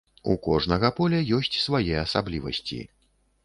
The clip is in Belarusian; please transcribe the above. У кожнага поля ёсць свае асаблівасці.